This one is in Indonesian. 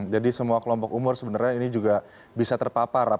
jadi semua kelompok umur sebenarnya ini juga bisa terpapar